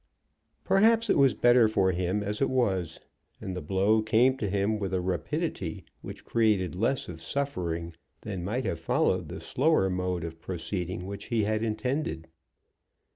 Perhaps it was better for him as it was; and the blow came to him with a rapidity which created less of suffering than might have followed the slower mode of proceeding which he had intended.